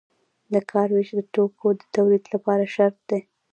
د کار ویش د توکو د تولید لپاره شرط دی.